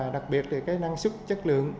đặc biệt là năng suất chất lượng